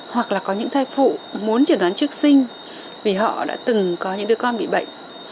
hoặc là có những thai phụ muốn chẩn đoán trước sinh vì họ đã từng có những đứa con bị bệnh